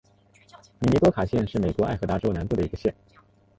米尼多卡县是美国爱达荷州南部的一个县。